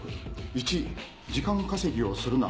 １時間稼ぎをするな。